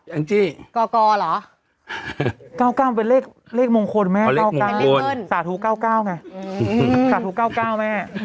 แอ้งจี้ก่อเหรอ๙๙เป็นเลขเลขมงคลแม่๙๙สาธุ๙๙ไงสาธุ๙๙แม่